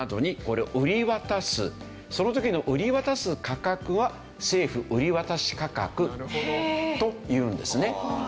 その時の売り渡す価格は「政府売渡価格」というんですね。